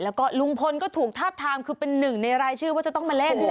แล้วก็ลุงพลก็ถูกทาบทามคือเป็นหนึ่งในรายชื่อว่าจะต้องมาเล่น